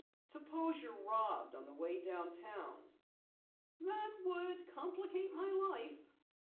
Suppose you're robbed on the way downtown?" "That would complicate my life.